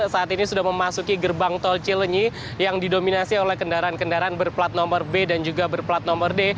saat ini sudah memasuki gerbang tol cilenyi yang didominasi oleh kendaraan kendaraan berplat nomor b dan juga berplat nomor d